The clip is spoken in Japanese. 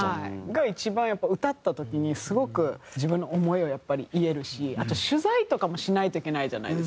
が一番やっぱ歌った時にすごく自分の思いを言えるしあと取材とかもしないといけないじゃないですか。